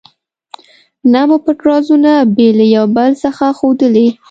نه مو پټ رازونه بې له یو بل څخه ښودلي.